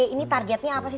ini targetnya apa sih